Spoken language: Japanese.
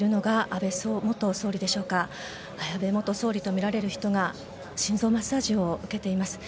安倍元総理とみられる人が心臓マッサージを受けています。